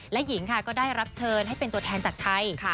และหญิงค่ะก็ได้รับเชิญให้เป็นตัวแทนจากไทย